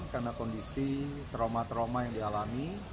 karena kondisi trauma trauma yang dialami